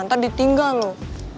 ntar ditinggal loh